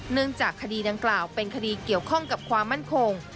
เนื่องจากคดีดังกล่าวเป็นคดีเกี่ยวข้องกับความมั่นคง